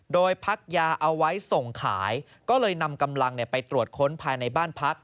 โดยพักยาเอาไว้ส่งขายก็เลยนำกำลังไปตรวจค้นภายในบ้านพัก